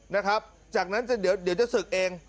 นะครับจากนั้นเดี๋ยวจะศึกเอง